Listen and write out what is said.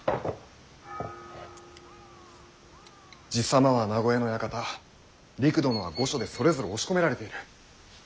爺様は名越の館りく殿は御所でそれぞれ押し込められている。